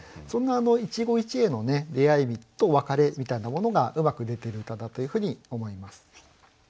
そんな一期一会の出会いと別れみたいなものがうまく出てる歌だというふうに思います。